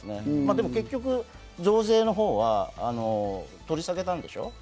でも結局、増税のほうは取り下げたんでしょ？